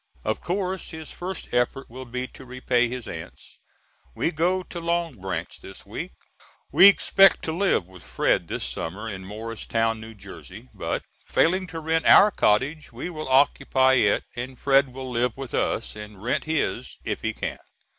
Of course his first effort will be to repay his aunts. We go to Long Branch this week. We expected to live with Fred this summer in Morristown, N.J. But failing to rent our cottage we will occupy it and Fred will live with us and rent his if he can.